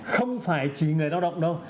không phải chỉ người lao động đâu